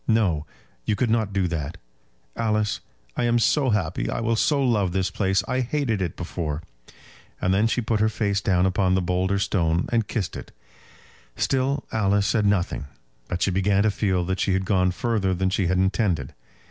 No; you could not do that? Alice, I am so happy. I will so love this place. I hated it before." And then she put her face down upon the boulder stone and kissed it. Still Alice said nothing, but she began to feel that she had gone further than she had intended.